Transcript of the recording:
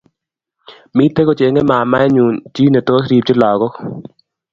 Miten kochengei mamaenyu chi netos ripchi lagook